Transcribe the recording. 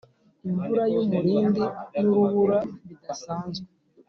imvura y’umurindi n’urubura bidasanzwe,